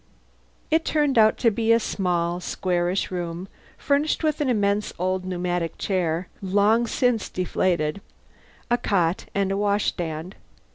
It turned out to be a small, squarish room furnished with an immense old pneumochair long since deflated, a cot, and a washstand.